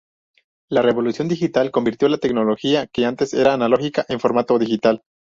La revolución digital convirtió la tecnología que antes era analógica a formato digital.